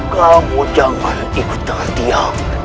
kamu jangan ikut dengan dia